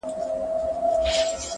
انسان انسان ته زيان رسوي تل,